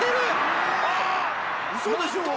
ウソでしょ？